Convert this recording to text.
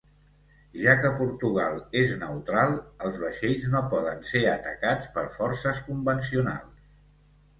Ja que Portugal és neutral, els vaixells no poden ser atacats per forces convencionals.